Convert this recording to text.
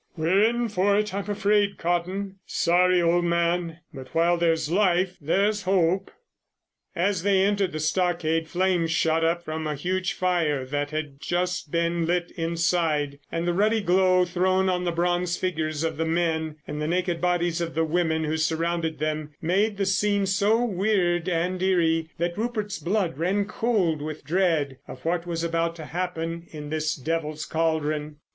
"We're in for it, I'm afraid, Cotton. Sorry, old man, but while there's life there's hope!" As they entered the stockade flames shot up from a huge fire that had just been lit inside, and the ruddy glow thrown on the bronze figures of the men and the naked bodies of the women who surrounded them, made a scene so weird and eerie that Rupert's blood ran cold with dread of what was about to happen in this devils' cauldron.